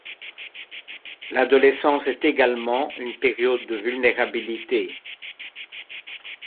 L’adolescence est également une période de vulnérabilité.